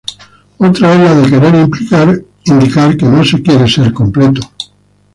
Otra es la de querer indicar que no se quiere ser completo.